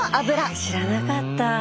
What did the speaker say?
へえ知らなかった。